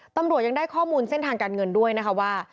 ตำรวจยังได้ข้อมูลเส้นทางการเงินด้วยนะคะว่า